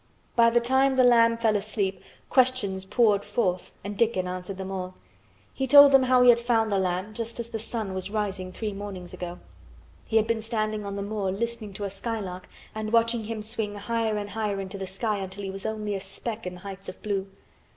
By the time the lamb fell asleep questions poured forth and Dickon answered them all. He told them how he had found the lamb just as the sun was rising three mornings ago. He had been standing on the moor listening to a skylark and watching him swing higher and higher into the sky until he was only a speck in the heights of blue.